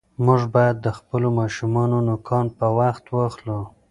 موږ باید د خپلو ماشومانو نوکان په وخت واخلو.